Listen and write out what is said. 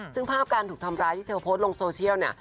ซึ่งภาพการถูกทำร้ายที่เธอโพสต์ลงโซเชียลเนี่ย